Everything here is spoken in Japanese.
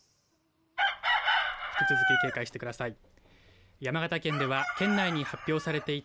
引き続き、警戒してください。